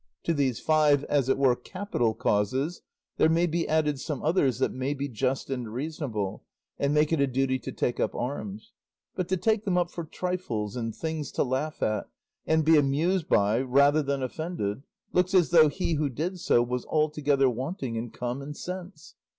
To these five, as it were capital causes, there may be added some others that may be just and reasonable, and make it a duty to take up arms; but to take them up for trifles and things to laugh at and be amused by rather than offended, looks as though he who did so was altogether wanting in common sense.